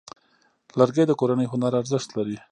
لرګی د کورني هنر ارزښت لري.